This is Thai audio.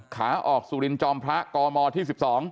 ขาออกสุรินจอมพระกมที่๑๒